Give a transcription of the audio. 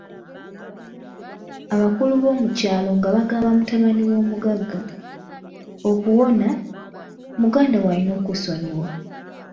Abakulu b'omukyalo nga bagamba mutabani w'omuggaga, okuwona, muganda wo ayina okusonyiwa.